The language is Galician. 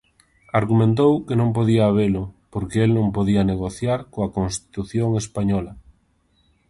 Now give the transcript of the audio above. Argumentou que non podía habelo, porque el non podía negociar coa Constitución española.